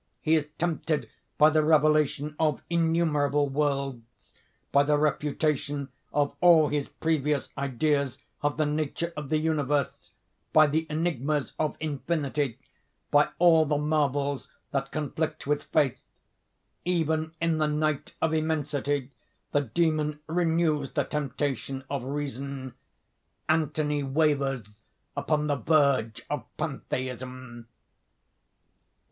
He is tempted by the revelation of innumerable worlds, by the refutation of all his previous ideas of the nature of the Universe, by the enigmas of infinity, by all the marvels that conflict with faith. Even in the night of immensity the demon renews the temptation of reason: Anthony wavers upon the verge of pantheism.